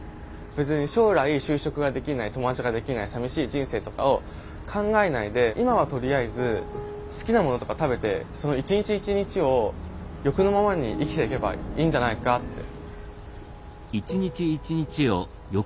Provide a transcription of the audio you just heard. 別に将来就職ができない友達ができない寂しい人生とかを考えないで今はとりあえず好きなものとか食べてその１日１日を欲のままに生きていけばいいんじゃないかって。